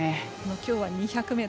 きょうは２００ｍ。